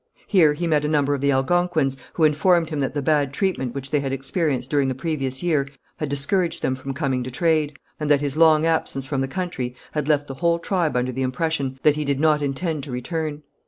Here he met a number of the Algonquins, who informed him that the bad treatment which they had experienced during the previous year had discouraged them from coming to trade, and that his long absence from the country had left the whole tribe under the impression that he did not intend to return.